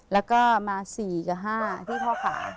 แล้วก็มา๔กับ๕ที่ข้อขา